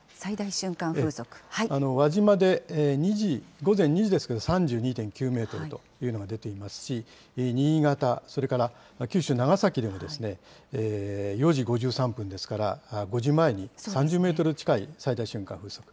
輪島で午前２時ですけど、３２．９メートルというのが出ていますし、新潟、それから九州、長崎でも４時５３分ですから５時前に３０メートル近い最大瞬間風速。